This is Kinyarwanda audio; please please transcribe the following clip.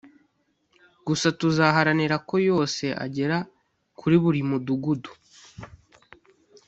gusa tuzaharanira ko yose agera kuri buri mudugudu